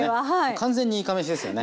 完全にいかめしですよね。